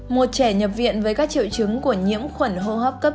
một trẻ nhập viện với các triệu chứng của nhiễm khuẩn hô hấp cấp